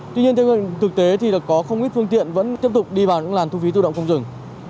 tuy nhiên theo hướng thực tế thì có không ít phương tiện vẫn tiếp tục đi vào những làn thu phí tự động không rừng